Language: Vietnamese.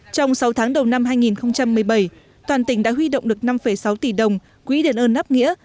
trong sáu tháng đầu năm hai nghìn một mươi bảy toàn tỉnh đã huy động được năm sáu tỷ đồng quỹ đền ơn đáp nghĩa